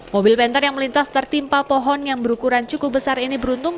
mobil penter yang melintas tertimpa pohon yang berukuran cukup besar ini beruntung